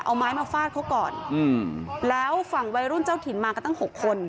เอาไม้มาฟาดเขาก่อนอืมแล้วฝั่งวัยรุ่นเจ้าถิ่นมากันตั้งหกคน